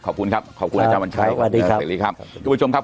ขอบคุณครับขอบคุณอาจารย์วันชายอาจารย์เสรีครับ